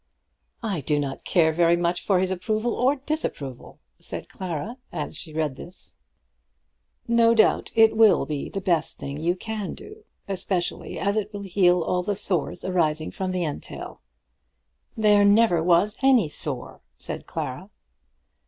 "I do not care very much for his approval or disapproval," said Clara as she read this. No doubt it will be the best thing you can do, especially as it will heal all the sores arising from the entail. "There never was any sore," said Clara.